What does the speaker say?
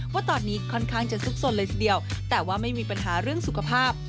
ว่าตอนนี้ค่อนข้างจะซุกสนเลยทีเดียวแต่ว่าไม่มีปัญหาเรื่องสุขภาพ